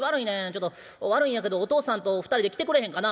ちょっと悪いんやけどお父さんと２人で来てくれへんかな」。